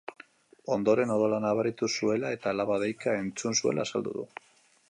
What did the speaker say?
Ondoren odola nabaritu zuela eta alaba deika entzun zuela azaldu du.